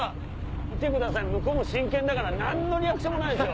向こうも真剣だから何のリアクションもないですよ。